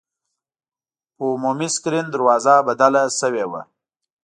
په عمومي سکرین دروازه بدله شوې وه.